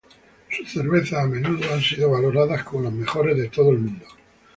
Sus cervezas a menudo han sido valoradas como las mejores de todo el mundo.